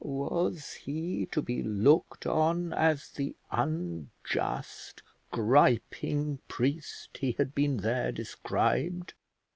Was he to be looked on as the unjust griping priest he had been there described?